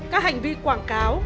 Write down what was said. các hành vi quảng cáo